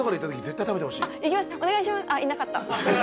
あっいなかった。